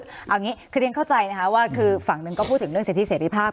เอาอย่างงี้คุณยังเข้าใจนะฮะว่าคือฝั่งหนึ่งก็พูดถึงเรื่องเศรษฐีเสร็จภาพ